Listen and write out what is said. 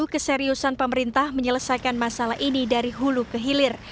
keseriusan pemerintah menyelesaikan masalah ini dari hulu ke hilir